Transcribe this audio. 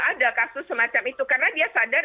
ada kasus semacam itu karena dia sadar